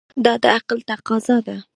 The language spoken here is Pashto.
دا د عقل تقاضا ده.